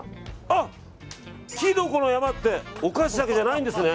あ、きのこの山ってお菓子だけじゃないんですね！